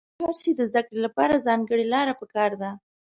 د هر شي د زده کړې له پاره ځانګړې لاره په کار ده.